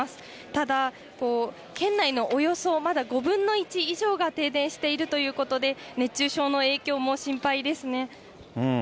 ただ、県内のおよそまだ５分の１以上が停電しているということで、熱中症の影響も心配ですね。